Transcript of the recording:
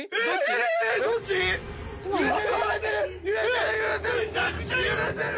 めちゃくちゃ揺れてる！